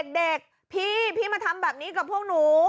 เด็กพี่พี่มาทำแบบนี้กับพวกหนู